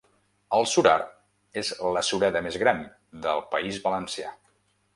El Surar és la sureda més gran del País Valencià.